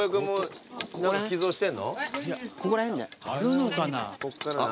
あるのかな。